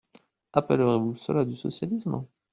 Appellerez-vous cela du socialisme ?